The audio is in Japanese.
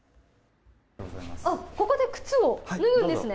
ここで靴を脱ぐんですね。